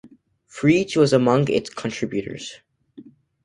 Frege was among its contributors.